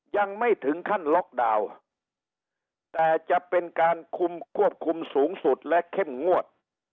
ยังไม่ถึงขั้นล็อกดาวน์แต่จะเป็นการคุมควบคุมสูงสุดและเข้มงวด